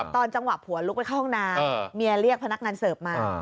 ตอนจังหวะผัวลุกไปเข้าห้องน้ำเมียเรียกพนักงานเสิร์ฟมา